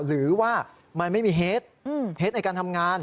หรือว่ามันไม่มีเหตุเท็จในการทำงาน